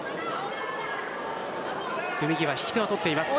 組み際、引き手は取っています。